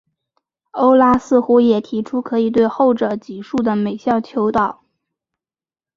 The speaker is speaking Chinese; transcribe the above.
欧拉似乎也提出可以对后者级数的每项求导。